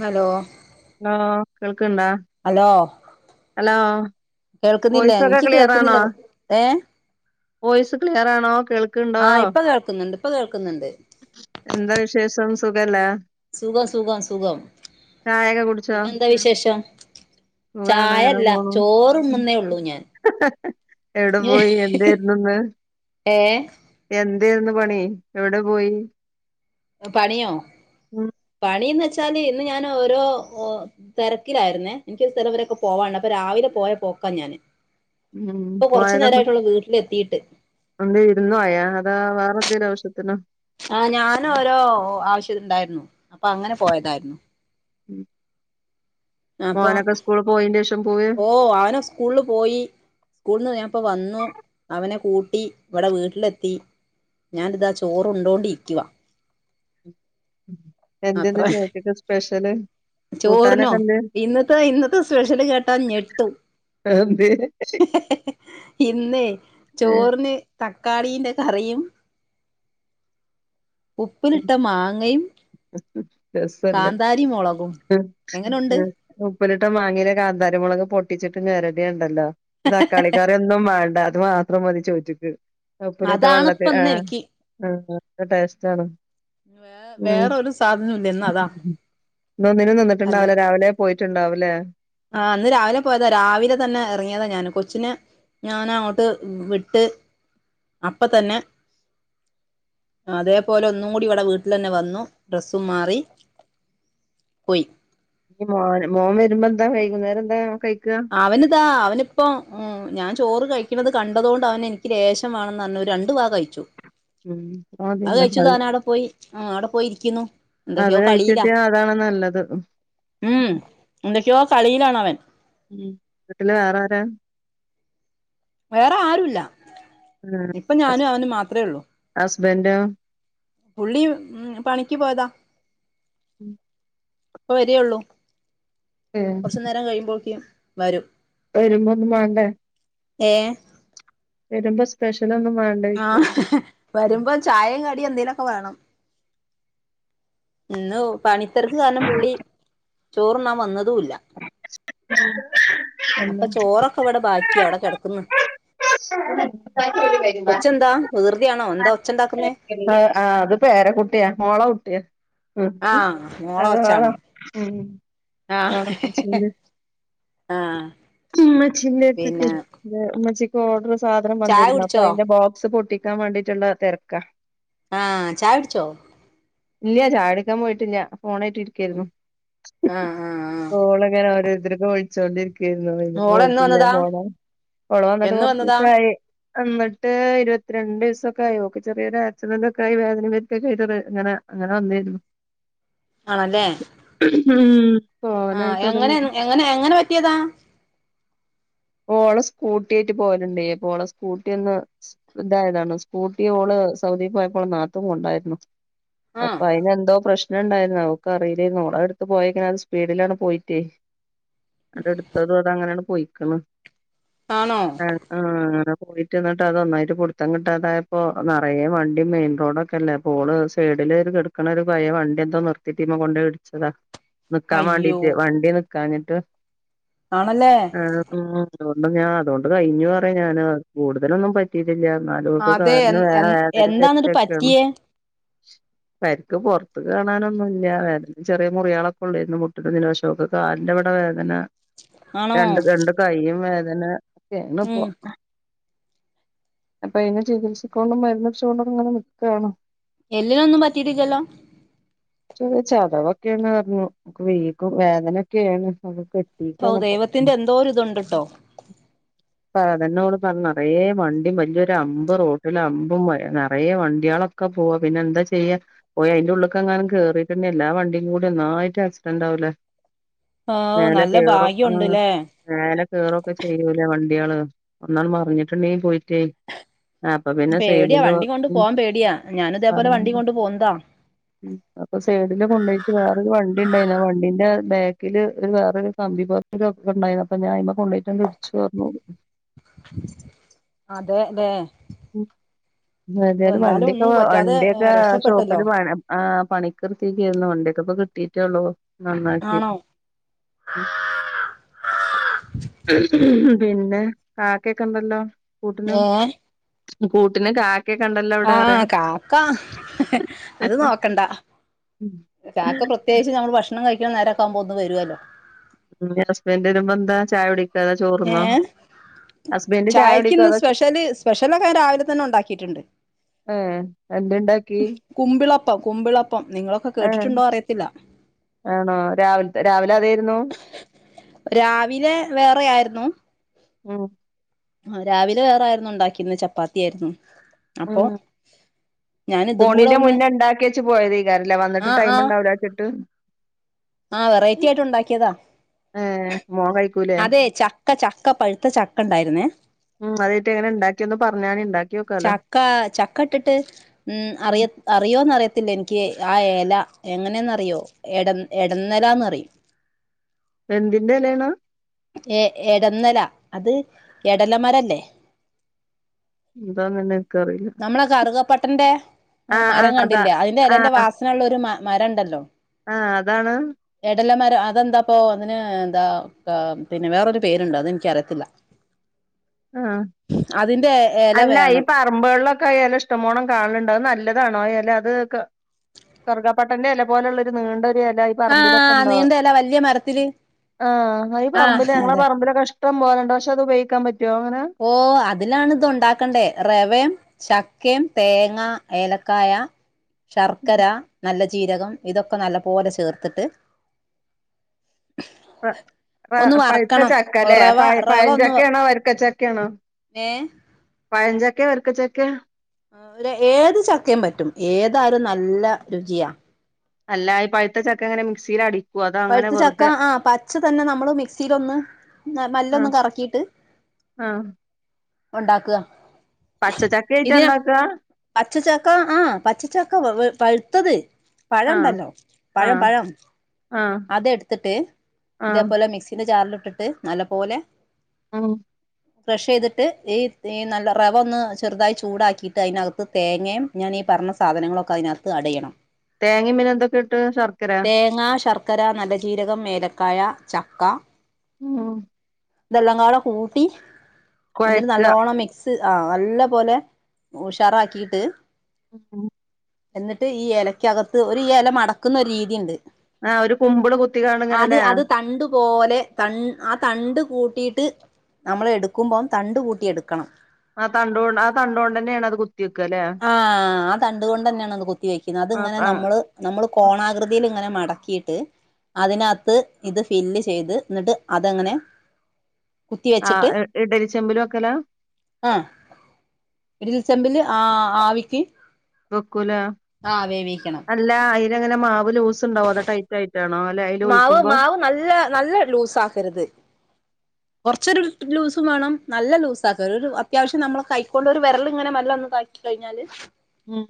Hello hello കേൾക്കണ്ടാ hello hello കേൾക്കുന്നില്ലേ വോയിസൊക്കെ എനിക്ക് ക്ലിയറാണോ കേൾക്കുന്നില്ല ഏഹ് വോയിസ് ക്ലിയറാണോ കേൾക്കണ്ടോ ആഹ് ഇപ്പൊ കേൾക്കുന്നുണ്ട് ഇപ്പൊ കേൾക്കുന്നുണ്ട് എന്താ വിശേഷം സുഖല്ലേ സുഖം സുഖം സുഖം ചായൊക്കെ കുടിച്ചോ പിന്നെ എന്താ വിശേഷം സുഖാണ് അങ്ങനെ ചായല്ല പോണു ചോറ് ഉം. തിന്നുന്നേ ഉള്ളൂ ഞാൻ എവിടെ പോയി ഏഹ് എന്തേന്ന് പണി എവിടെ പോയി പണിയോ ഉം പണിന്ന് വെച്ചാല് ഇന്ന് ഞാൻ ഓരോ തിരക്കിലായിരുന്നേ എനിക്കൊരു സ്ഥലവരൊക്കെ പോവാന അപ്പൊ രാവിലെ പോയ പോക്കാ ഞാന് ഉം ഇപ്പൊ കൊറച്ചു നേരമായിട്ടുള്ളൂ വീട്ടില എത്തിട്ട് എന്ത വിരുന്നു പോയ അതാ വേറെ എന്തേലും ആവശ്യത്തിന ആഹ് ഞാനും ഓരോ ആവശ്യം ഉണ്ടായിരുന്നു അപ്പൊ അങ്ങനെ പോയതായിരുന്നു ഉം അപ്പൊ മോനൊക്കെ സ്കൂള് പോയേന്റേഷം പോവേ ഓഹ് അവന് സ്കൂളിൽ പോയി സ്കൂളിന്ന് ഞപ്പോ വന്നു അവനെ കൂട്ടി ഇവിടെ വീട്ടിലെത്തി ഞാനിതാ ചോറ് ഉണ്ടോണ്ടി ഇരിക്ക അത്ര എന്തെന്നാ ചോറിന് സ്പെഷ്യല് ചോറിനോ കൂട്ടാനൊക്കെന്തേ ഇന്നത്തെ ഇന്നത്തെ സ്പെഷ്യല് കേട്ടാ ഞെട്ടും എന്തേ ഇന്നേ ചോറിന് തക്കാളീന്റെ കറിയും ഉപ്പിലിട്ട മാങ്ങയും കാന്താരി മുളകും ഉം എങ്ങനുണ്ട് ഉം ഉപ്പിലിട്ട് മാങ്ങ കാന്താരി മുളക് പൊട്ടിച്ചിട്ട് നെഞ്ഞരടിയ ഉണ്ടല്ലോ തക്കാളിക്കറി ഒന്നും വണ്ട അത് മാത്രം മതി ചോറ്റിക്ക് ഉപ്പിൽ ഇട്ട അതാണ് ഇപ്പ വെള്ളത്തിൽ ഇന്ന് ആഹ് എനിക്ക് ആഹ് ടേസ്റ്റ് ആണ് വേ വേറൊരു സാധന ഇല്ല എന്നാ അതാ ഒന്നിനും അല്ല നിന്നിട്ടുണ്ടാവില്ലെ രാവിലെ പോയിട്ടുണ്ടാവില്ലേ ആഹ് അന്ന് രാവിലെ പോയതാ രാവിലെ തന്നെ ഇറങ്ങിയതാ ഞാന് കൊച്ചിന് ഞാൻ അങ്ങോട്ട് വിട്ട് അപ്പ തന്നെ അതേപോലെ ഒന്നും കൂടി ഇവിടെ വീട്ടിൽ തന്നെ വന്നു ഡ്രസ്സും മാറി പോയി ഇ മോ മോൻ വരുമ്പോ എന്താ കഴിക്കും നേരെം എന്താ കഴിക്കുക അവനതാ അവനിപ്പോ ഉം ഞാൻ ചോറ് കഴിക്കണുന്നത് കണ്ടതുകൊണ്ട് അവന എനിക്ക് രേഷ മാണെന്ന് അന്ന് ഒരു രണ്ടു വാ കഴിച്ചു ഉം അത് കഴിച്ചു താന അവിടെ പോയി ആഹ് അവിടെ പോയി ഇരിക്കുന്നു അത് എന്തൊക്കെയോ കളില കഴിച്ചിട്ടിയാ അതാണ് നല്ലത് ഉം ഉം എന്തൊക്കെയോ കളിയിലാണവൻ ഉം വീട്ടില് വേറാരാ വേറെ ആരുല്ല ഇപ്പ ഞാനും അവനും മാത്രമേ ഉള്ളൂ ഹസ്ബൻഡോ പുള്ളി ഉം പണിക്ക് പോയതാ ഉം ഇപ്പ വരിയുള്ളൂ ഏഹ് കൊറച്ചു നേരം കഴിയുമ്പോഴക്കേ വരും ഇപ്പ വരുമ്പോ ഒന്നും വേണ്ടേ ഏഹ് വരുമ്പോ സ്പെഷ്യലൊന്നും വേ ആഹ് വരുമ്പോം ചായയും കടിയും എന്തേലൊക്കെ വേണം. ഇന്ന് പണിത്തിരക്ക് കാരണം പുള്ളി ചോറുണ്ണാൻ വന്നതുല്ലാ. അപ്പോ അല്ല ചോറൊക്കെ ഇവിടെ ബാക്കിയാ അവിടെ കിടക്കുന്നു. വരുമ്പോ കൊച്ചെന്താ വികൃതിയാണോ എന്താ ഒച്ച ഉണ്ടാക്കുന്നേ? ആഹ് അത് പേരകുട്ടിയാ മോള കുട്ടിയാ ഉം ആഹ് മോളെ ഒച്ചാണോ [unintelligible] ഉം ആഹ് ആഹ് ഉമ്മച്ചീന്റെ അടുത്തക്ക് പിന്നെ ഉമ്മച്ചിക്ക് ഓർഡർ സാധനം ചായ വന്നിരുന്നു അപ്പോ കുടിച്ചോ അതിന്റെ ബോക്സ് പൊട്ടി ക്കാൻ വേണ്ടിയിട്ടുള്ള തിരക്കാ. ആഹ് ചായുടിച്ചോ? ഇല്ല ചായുടിക്കാൻ പോയിട്ടില്ല ഫോണായിട്ട് ഇരിക്കായിരുന്നു. ആഹ് ആഹ് ആഹ് കോളങ്ങനെ ഓരോരുത്തർക്കു വിളിച്ചോണ്ടിരിക്കായിരുന്നു [unintelligible] മോള് എന്ന് പോയിട്ടില്ല വന്നതാ പോണം ഫോണ് വന്നിട്ട് എന്ന് വന്നതാ [unintelligible] എന്നിട്ട് ഇരുപത്തിരണ്ട് ദിവസൊക്കെ ആയി ഓക്ക് ചെറിയൊരു ആക്‌സിഡന്റ് ഒക്കെയായി വേദന [unintelligible] അങ്ങനെ അങ്ങനെ വന്നെയേരുന്നു. ആണല്ലേ? ഉം പോവാനായി ആഹ് എങ്ങനെ തുടങ്ങി എങ്ങനെ എങ്ങനെ പറ്റിയതാ? ഓള് സ്കൂട്ടി ആയിട്ട് പോകലുണ്ടേ അപ്പോ ഓള സ്കൂട്ടി ഒന്ന് ഇതായതാണ് സ്കൂട്ടി ഓള് സൗദീ പോയപ്പോൾ ഓളെ നാത്തൂൻ കൊണ്ടോയിരുന്നു. ആഹ് അപ്പോ അതിനന് എന്തോ പ്രശ് നം ഉണ്ടായിരുന്നു അവക്ക് അറിയില്ലേരുന്നു ഓള് അത് എടുത്ത് പോയേങ്ങനെ അത് സ്പീഡിലാണ് പോയിട്ടേ അടു ത്തതും അത് അങ്ങനെയാണ് പോയിക്കണ്. ആണോ ഏഹ് ആഹ് അങ്ങനെ പോയിട്ട് എന്നിട്ട് അത് ഒന്നായിട്ട് പുടുത്തം കിട്ടാതായപ്പോ നിറയ വണ്ടി മെയിൻ റോഡ് ഓക്കല്ലേ ഓള് സൈഡില് കിടക്കണ ഒരു പയേ വണ്ടി എന്തോ നിർത്തിട്ടീമേ കൊണ്ടോയി ഇടിച്ചതാ. നിക്കാൻ അയ്യോ വേണ്ടീട്ട് വണ്ടി നിക്കാഞ്ഞിട്ട്. ആണല്ലേ? ആഹ് അതോണ്ട് ഞാൻ അതുകൊണ്ട് കഴിഞ്ഞു പറയാ ഞാന് കൂടുതലൊന്നും പ റ്റീട്ടില്ലാ എന്നാലും ഓക്ക് അതെ എ കാരണം എ എന്താന്നിട്ട് വേദന [unintelligible] പറ്റിയേ പരിക്ക് പുറത്ത് കാണാനൊന്നും ഇല്ല ചെറിയ മുറികളൊക്കെ ഉള്ളായിരുന്നു മുട്ടിന് [unintelligible] കാലിന്റവിടെ വേദന ആണോ രണ്ട് രണ്ട് കൈയും വേദന ഒക്കെയാണ് ഉം ഇപ്പോ. അപ്പോ അതിനെ ചികിത്സിക്കോണ്ടും മരന്നയിച്ചുകൊണ്ടും അങ്ങനെ നിക്കുവാണ്. എല്ലിനൊന്നും പറ്റിട്ടില്ലല്ലോ? ച ചതവൊക്കെയാന്ന് പറഞ്ഞു ഓക്ക് വീക്കും വേദനൊക്കെയാണ് [unintelligible] ഓഹ് ഇപ്പൊ ദൈവത്തിന്റെ എന്തോ ഒരു ഇതുണ്ട് ട്ടോ. അതെന്നെ ഓള് പറഞ്ഞെ നിറേ വണ്ടിയും വലിയൊരു അമ്പ് റോട്ടില് അമ്പും നിറയേ വണ്ടിയളൊ ക്കെ പോവാ പിന്നെ എന്താ ചെയ്യാ? പോയി അയിന്റെ ഉള്ളിക്ക് എങ്ങാനും കേറിറ്റിണ്ടേ എല്ലാ വണ്ടിയും കൂടി ഒന്നായിട്ട് ആക്സിഡന്റ് ആകൂലേ? ഓ മേലെ നല്ല കേറും ഭാഗ്യം ആഹ് ഉണ്ട്ല്ലേ മേലെ കേറൊക്കെ ചെയ്യൂലേ വണ്ടികള് ഒന്നാൽ മറിഞ്ഞിട്ടുണ്ടേൽ പോയിറ്റ് ആഹ് അപ്പോ പിന്നെ പേടിയാ സെഡില് വണ്ടി കൊണ്ട് ഉം പോവാൻ പേടിയാ ഞാനും ഇതേപോലെ വണ്ടി പറയണ്ട കൊണ്ട് പോന്നതാ അപ്പോ സൈഡില് കൊണ്ടോയിറ്റ് വേറൊരു വണ്ടി ഉണ്ടായിരുന്നു ആ വണ്ടിന്റെ ബാക്കില് വേറൊരു കമ്പി പോ [unintelligible] ഇണ്ടായിറഞ്ഞു അപ്പ ഞാൻ അയിമെ കൊണ്ടോയിട്ട് ഇടിച്ചു പറഞ്ഞ് ഓള്. അതെ ല്ലേ? [unintelligible] എന്തായാലും വണ്ടിയൊക്കെ ഒന്നും പറ്റാതെ വണ്ടിയൊക്കെ രക്ഷപ്പെട്ടല്ലോ ഷോപ്പില് വേണം ആഹ് പണിക്ക് നിർത്തിയേക്കുവാരുന്നു വണ്ടിയൊക്കെ ഇപ്പോ കിട്ടീട്ടേള്ളൂ നന്നാക്കി. ആണോ ഉം പിന്നെ കാക്കയൊക്കെ ഇണ്ടല്ലോ കൂട്ടിന് ഏ കൂട്ടിന് കാ ക്കെകണ്ടല്ലോ ആ കാക്ക അത് നോക്കണ്ട ഉം കാക്ക പ്രത്യേകിച്ചു നമ്മള് ഭക്ഷണം കഴിക്ക്ണ നേരക്കാവുമ്പോത്ത് വരു അല്ലോ ഹസ്ബൻഡ് വരുമ്പ എന്താ ചായ കുടിക്കോ അതോ ചോറ് ന്നൊ ഏഹ് ചായക്ക് ഇന്ന് സ്പെഷ്യല് സ്പെഷ്യലൊക്കെ ഞാൻ രാവിലെ തന്നെ ഉണ്ടാക്കിയിട്ടുണ്ട് ഏ എന്തേ ഇണ്ടാക്കി കുമ്പിളപ്പം കുമ്പിളപ്പം നിങ്ങള ആ ആണോ രാവിൽത്തെ രാവിലെ അതെയ്ര്ന്നു രാവിലെ വേറ ആയിരുന്നു ഉം ആ രാവിലെ വേറായിരുന്നു ഇണ്ടാക്കിര്ന്ന് ചപ്പാത്തി ആയിരുന്നു അപ്പൊ ഉം ഞാന് ഇതും കൂടെ ഒന്ന് റ്റ് പോയതയ്കാര ലെ വന്ന്ട്ട് ആ ആ ടൈമ് ഇണ്ടാവൂലചിട്ട് ആ വെറൈറ്റി ആയിട്ട് ഉണ്ടാക്കിയതാ ഏ മോൻ കഴി അതെ ചക്ക ചക്ക പഴുത്ത ചക്ക ഇണ്ടായിരുന്നേ ഉം അതായിട്ട് എങ്ങനെ ഉണ്ടാക്കിയൊന്ന് പറഞ്ഞാണി ഉണ്ടാക്കിയോക്കാലോ ചക്ക ചക്ക ഇട്ടിട്ട് ഉം അറിയ അറിയോന്നറിയത്തില്ല എനിക്ക് ആ എല എങ്ങനെന്നറിയോ എട എടന്നലാന്ന് പറിം എന്തിന്റെ എലെണ് എ എടന്നല അത് എടലമരല്ലേ എന്താന്നന്നെ ഇൻക്കറീല നമ്മളെ കറുകപ്പട്ടന്റെ മരം ആഹ് അതാ കണ്ടില്ലേ അതിന്റെ എലന്റെ വാസന ഉള്ള ഒരു മ മരണ്ടല്ലോ ആ അതാണ് എടല മരം അതെന്താപ്പൊ അങ്ങനെ എന്താ പിന്നെ വേറൊരു പേര്ണ്ട് അത് ഇൻക്ക് അറിയത്തില്ല ആ അതിന്റെ ഇല അല്ല ഈ വേണം പാ പറമ്പ്കൾലൊക്കെ ആ എല ഇഷ്ടം പോണം കാൺല്ണ്ട് അത് നല്ലതാണോ ആ എല അത് കറുഗാപ്പട്ടന്റെ എലപോലള്ള ഒരു നീണ്ടൊരു എലആയി പർമ്പിലൊക്കെ ആഹ് ഇണ്ടാവും നീണ്ട ഇല വല്യ മരത്തില് ആ ഈ ആഹ് പർമ്പിൽ ഞങ്ങളെ അതെ പർമ്പിലൊക്കെ ഇഷ് ടം പോലണ്ട് പക്ഷെ അത് ഉപയൊഗിക്കാം പറ്റൊ അങ്ങനെ ഓ അത് ലാണ് ഇത് ഉണ്ടാക്കണ്ടേ റെവം ചക്കേം തേങ്ങ ഏലക്കായ ശർക്കര നല്ല ജീരകം ഇതൊക്കെ നല്ല പോലെ ചേർത്ത്ട്ട് പ പ ഒന്ന് പഴുത്ത വറക്കണം ച്ചക്ക ലെ റവ പ റവ ഒന്ന് പഴഞ്ചക്കെണോ വര്ക്കച്ചക്കെണോ ഏഹ് പയംഞ്ചക്കെ വര്ക്ക ചക്കെ ഒര് ഏത് ചക്കിം പറ്റും ഏതായാലും നല്ല രുചിയാ അല്ല ഈ പഴുത്ത ചക്കങ്ങനെ മിക്സില് അടി പഴുത്ത ചക്ക ആ പച്ച തന്നെ നമ്മള് മിക്സിലോന്ന് ആ മെല്ലൊന്ന് കറക്കീട്ട് ആഹ് ഉണ്ടാക്ക പച്ച ചക്ക ആയിട്ട ഇണ്ടാക്ക പച്ച ചക്ക ആ പച്ച ചക്ക പഴുത്തത് പഴം ആഹ് ഇണ്ടല്ലോ പഴം ആഹ് പഴം ആഹ് അതെട്ത്തിട്ട് ആഹ് ഇതേപോലെ മിക്സിന്റെ ജാർല് ഇട്ടിട്ട് നല്ല പോലെ ആ ഉ ഫ്രഷ് ചെയ്തിട്ട് ഈ ഈ നല്ല റവ ഒന്ന് ചെറുതായി ചൂടാക്കിയിട്ട് അയ്നകത്ത് തേങ്ങയും ഞാനീ പറഞ്ഞ സാധനങ്ങളൊക്കെ അതിനകത്ത് അടയണം തേങിൻ പിന്നെ എന്തൊക്കെ ഇട്ട് ശർക്കര തേങ്ങ ശർക്കര നല്ലജീരകം മേലക്കായ ചക്ക ഉം തെല്ലകട കൂട്ടി എന്നിട്ട് കൊഴക്ക നല്ലോണ്ണം മിക്സ് ആഹ് നല്ല പോലെ ഉഷാറാക്കിട്ട് ഉം എന്നിട്ട് ഈ ഇലക്കകത്ത് ഒരു ഈ ഇല മടക്കുന്ന ഒരു രീതിയുണ്ട് ആഹ് ഒരു കുമ്പിള് കുത്തി കാണ്ട് അത് ഇങ്ങനല്ലേ അത് തണ്ട് പോലെ ആ തണ്ട് കൂട്ടിയിട്ട് നമ്മൾ എടുക്കുമ്പോം തണ്ട് കൂട്ടി എടുക്കണം ആ തണ്ടോ ആ തണ്ടോണ്ടന്നെയാണ് അത് കുത്തി വെക്കല്ലേ ആഹ് ആ തണ്ടുകൊണ്ട് തന്നെയണ കു എത്തി വെക്കുന്നത് ആഹ് അത്ങ്ങനെ ആഹ് നമ്മള് നമ്മൾ കോണാകൃതിയിൽ ഇങ്ങനെ മടക്കിയിട്ട് അതിനകത്ത് ഇത് ഫില്ല് ചെയ്ത് എന്നിട്ട് അതങ്ങനെ കുത്തി ആഹ് ഇഡരി ചെമ്പലും ഒക്കെല്ലാ ആഹ് ഇഡലി ചമ്പില് ആ ആവിക്ക് കൊക്കൂല ആ വേവിക്കണം അല്ല അയിരങ്ങനെ മാവ് ലൂസ് ഉണ്ടാവും അത ടൈ റ്റായിട്ടണോ അല്ലെ അയ്ൽ മാവ് ഒഴിക്കുമ്പോ മാവ് നല്ല നല്ല ലൂസ് ആക്കരുത് കുറച്ചൊരു ലൂസും വേണം നല്ല ലൂസ ആക്കാ ഒരു അത്യാവശ്യം നമ്മള കൈക്കൊണ്ട് ഒരു വിരലങ്ങനെ നല്ല ഒന്ന് കഴിഞ്ഞാല് ഉം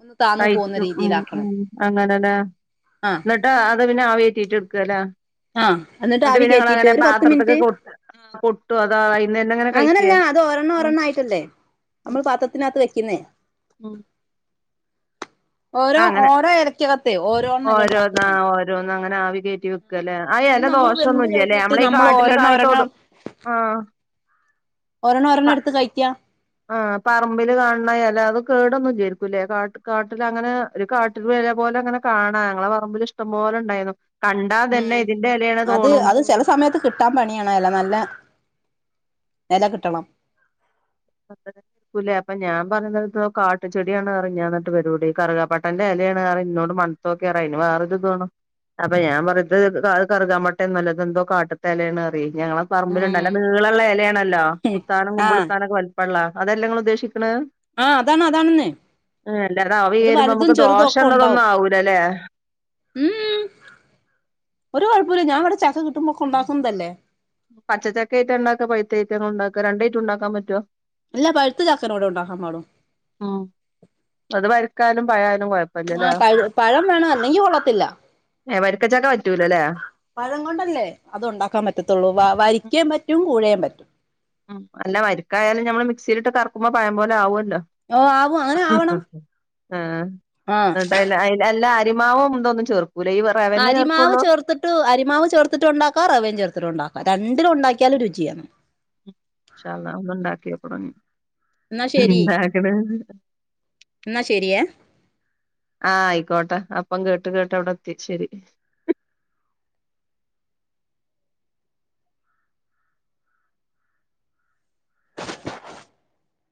ഒന്ന് താന്നു പോകുന്ന റ്റും ഉം ഉം രീതിയിലാക്കണം ആഹ് അങ്ങനല്ല അത പിന്നെ ആവിെറ്റീട്ട എടുക്കല്ലേ ആഹ് അ എന്നിട്ട് പിന്നെ ങ്ങളാങ്ങനെ പാത്രത്തിലക്ക് കൊ കൊട്ടു അത അയ്ന്നന്നെ അങ്ങനെ കഴിക്കേ അങ്ങനെയല്ല അത് ഒരെണ്ണം ആഹ് ഒരെണ്ണ ആയിട്ടല്ലേ നമ്മൾ പാത്രത്തിനകത്ത് വെക്കുന്നേ ഓരോ അങ്ങനെ ഓരോ ഇലക്കകത്തെയ ഓരോണ്ണംല്ല ഉണ്ടാക്കുന്ന ോ അങ്ങനെ ആവി കയറ്റി വെക്കല്ലെ എന്നിട്ട് അല്ല നമ്മള് ദോഷം വെന്ത് ഒന്നുല്ല്യല്ലേ കഴിഞ്ഞിട്ട് നമ്മള ഈ നമ്മൾ കാട്ടില് ഓരെണ്ണം കായത്തോടും ഒരെണ്ണം ആഹ് ഒരെണ്ണ പ ഒരെണ് എടുത്ത് കഴിക്കാ ആഹ് പറമ്പില് കാണണല്ല അത് കേടൊന്നുംല്ലായിരിക്കുംല്ലേ കാട്ട കാട്ടിൽ അങ്ങനെ ഒരു കാട്ടി വില പോലെ അങ്ങനെ കാണാ ഞങ്ങളെ പറമ്പിൽ ഇഷ്ടം പോലെണ്ടായിരുന്നു ഉം അത് അത് ചില സമയത്ത് കിട്ടും കിട്ടാൻ പണിയാണ് നല്ല ഇല കിട്ടണം [inaudible] ഉല്ല അപ്പ ഞാൻ പറയുന്ന കാട് ചെടിയാണ് ഞാൻ എന്നിട്ട് ഇവരോട് കറുകാപ്പട്ടന്റെ ഇലയാണ് ഇന്നോട് മണക്കാൻ [unintelligible] വേറെരു ത് [unintelligible] അപ്പൊ ഞാൻ പറയത് കറുകാൻ പേട്ടേന്നല്ല എന്തോ കാട്ടുത്തേലാണ് പറയും ഞങ്ങള പറമ്പിലുണ്ട ഉം അല്ല നീളുള്ള ഇലയാണല്ലോ കുത്താനും ആഹ് കുമ്പിളിത്താനൊക്കെ [unintelligible] പള്ളാ അതെല്ലാംങ്ങള് ഉദ്ദേശിക്കണ് ആഹ് അതാണ് അതാണെന്നേ ആഹ് വല്ല അവി അത് കേറുമ്പോ വലുതും നമ്മുക്ക് ചെറുതും ഒക്കെ ദോഷംള്ളതൊന്നും ഉണ്ടാവും ആവൂലല്ലേ ഉം ഒരു കുഴപ്പല്ല ഞാൻ ഇവിടെ ചക്ക കിട്ടുമ്പോക്കെ ഉണ്ടാക്കുന്നതല്ലേ പച്ചച്ചക്ക ആയിട്ട ഉണ്ടാക്ക പൈത്തക്ക ഉണ്ടാക്കുക രണ്ടയിറ്റം ഉണ്ടാക്കാൻ പറ്റുവോ ഇല്ല പഴുത്ത ചാക്കനോടെ ഉണ്ടാക്കാൻ പടു ഉം അത് ഭരിക്കാനും [unintelligible] കുഴപ്പല്ലല്ലേ ആഹ് പഴ പഴം വേണം അല്ലെങ്കിൽ കൊള്ളത്തില്ല ഏഹ് വരിക്കച്ചക്കെ പറ്റൂലല്ലേ പഴം കൊണ്ടല്ലേ അത് ഉണ്ടാക്കാൻ പറ്റത്തുള്ളൂ വരിക്കീം പറ്റും കൂഴെൻ പറ്റും അല്ല വരിക്കായാലും ഞമ്മള് മിക്സിയിലട്ട് കറക്കുമ്പോ പഴം പോലെ ആവുമല്ലോ ഓഹ് ആവും അങ്ങനെ ആവണം [unintelligible] ആഹ് അല്ല അരിമാവേ ഉണ്ടൊന്നും ചേർക്കൂല്ല അരിമാവ് ചേർത്തിട്ട് അരിമാവ് ചേർത്തിട്ടുണ്ടാക്ക റവയും ചേർത്തിട്ടുണ്ടാക്കു രണ്ടിലും ഉണ്ടാക്കിയാലും രുചിയാ ഇൻശാ അള്ളാ ഒന്ന്ഉണ്ടാക്കി നോക്കണം എന്നാ ശരി എന്താ ക്ണ് എന്നാ ശരിയേ ആഹ് ആയിക്കോട്ടെ അപ്പം കേട്ട് കേട്ട് അവിടെ എത്തി ശെരി